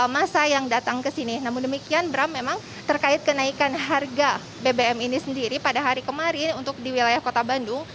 masa yang datang ke sini namun demikian bram memang terkait kenaikan harga bbm ini sendiri pada hari kemarin untuk di wilayah kota bandung